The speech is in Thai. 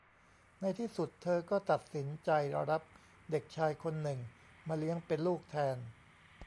ในที่สุดเธอก็ตัดสินใจรับเด็กชายคนหนึ่งมาเลี้ยงเป็นลูกแทน